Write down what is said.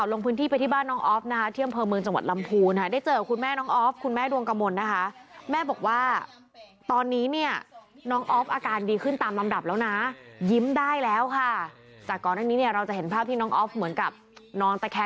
วันนี้พูดถึงข่าวลงพื้นที่ไปที่บ้านน้องออฟนะคะ